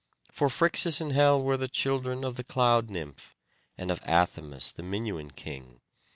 For Phrixus and Helle were the children of the cloud nymph, and of Athamas the Minuan king.